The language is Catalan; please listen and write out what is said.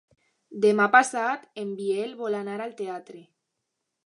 Demà passat en Biel vol anar al teatre.